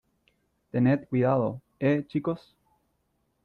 tened cuidado, ¿ eh , chicos?